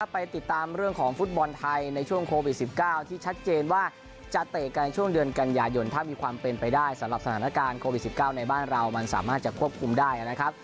ไปติดตามเรื่องของฟุตบอลไทยในช่วงโควิด๑๙ที่ชัดเจนว่าจะเตะกันในช่วงเดือนกันยายนถ้ามีความเป็นไปได้สำหรับสถานการณ์โควิด๑๙ในบ้านเรามันสามารถจะควบคุมได้นะครับ